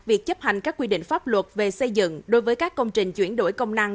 việc chấp hành các quy định pháp luật về xây dựng đối với các công trình chuyển đổi công năng